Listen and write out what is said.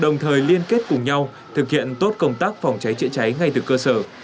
người liên kết cùng nhau thực hiện tốt công tác phòng cháy chữa cháy ngay từ cơ sở